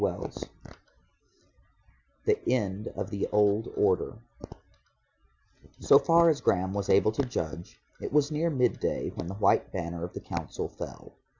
CHAPTER XIII THE END OF THE OLD ORDER So far as Graham was able to judge, it was near midday when the white banner of the Council fell.